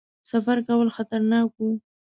سفر کول خطرناک وو.